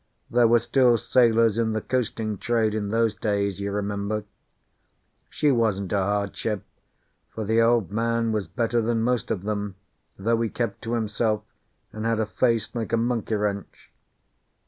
There were still sailors in the coasting trade in those days, you remember. She wasn't a hard ship, for the Old Man was better than most of them, though he kept to himself and had a face like a monkey wrench.